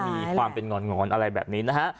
มีความเป็นหงอนอะไรแบบนี้นะฮะ